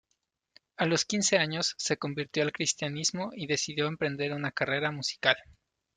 A los quince años, se convirtió al cristianismo y decidió emprender una carrera musical.